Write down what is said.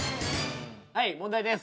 はい問題です」